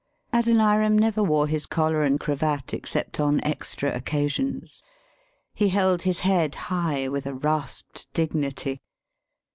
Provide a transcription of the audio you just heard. Adoniram never wore his collar and cravat 168 THE SHORT STORY except on extra occasions. He held his head high, with a rasped dignity.